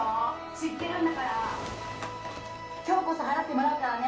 知ってるんだから・・今日こそ払ってもらうからね